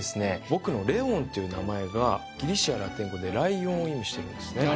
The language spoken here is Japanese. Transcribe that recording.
僕の「レオン」っていう名前がギリシャラテン語で「ライオン」を意味してるんですね。